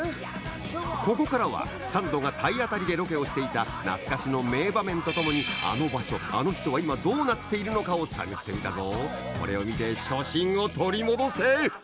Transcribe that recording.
ここからはサンドが体当たりでロケをしていた懐かしの名場面とともに「あの場所」「あの人」は今どうなっているのかを探ってみたぞこれを見て初心を取り戻せ！